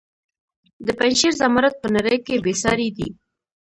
د پنجشیر زمرد په نړۍ کې بې ساري دي